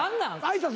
挨拶？